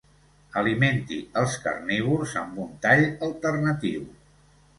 Alimenti els carnívors amb un tall alternatiu.